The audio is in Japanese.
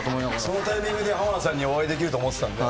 そのタイミングで浜田さんにお会いできると思ってたんで。